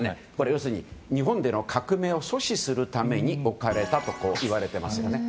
要するに日本での革命を阻止するために置かれていたといわれています。